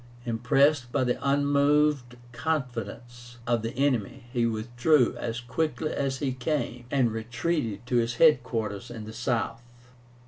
Impressed by the unmoved confidence of the enemy, he withdrew as quickly as he came, and retreated to his head quarters in the South.